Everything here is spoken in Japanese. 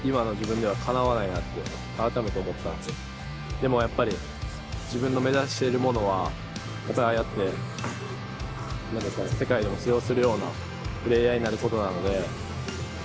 でもやっぱり自分の目指しているのは世界でも通用するようなプレーヤーになることなので。